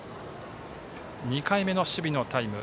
２回目の守備のタイム。